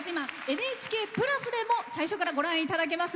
「ＮＨＫプラス」でも最初からご覧いただけます。